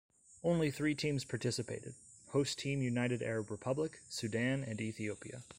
Only three teams participated: host team United Arab Republic, Sudan and Ethiopia.